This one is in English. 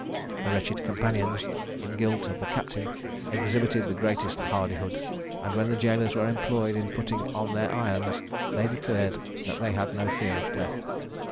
The wretched companions in guilt of the captain exhibited the greatest hardihood; and when the jailers were employed in putting on their irons, they declared that they had no fear of death.